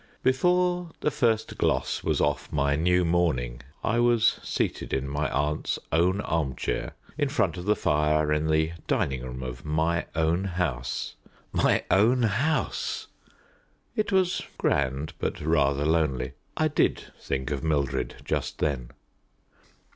Before the first gloss was off my new mourning I was seated in my aunt's own armchair in front of the fire in the dining room of my own house. My own house! It was grand, but rather lonely. I did think of Mildred just then.